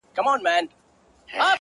زما په لاس كي هتكړۍ داخو دلې ويـنـمـه’